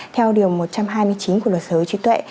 theo điều một trăm hai mươi chín của luật sở hữu trí tuệ